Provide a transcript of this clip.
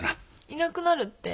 いなくなるって？